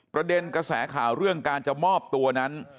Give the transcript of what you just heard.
กระแสข่าวเรื่องการจะมอบตัวนั้น